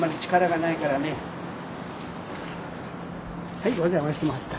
はいお邪魔しました。